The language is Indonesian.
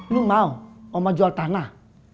lo mau oma jual tanah